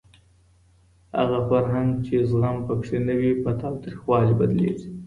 هغه فرهنګ چي زغم په کي نه وي په تاوتريخوالي بدليږي.